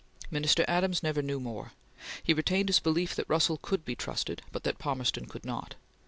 Minister Adams never knew more. He retained his belief that Russell could be trusted, but that Palmerston could not.